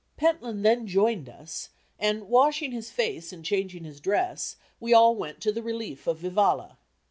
Pentland then joined us, and washing his face and changing his dress, we all went to the relief of Vivalla.